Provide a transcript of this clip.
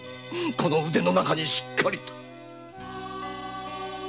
この腕の中にしっかりと！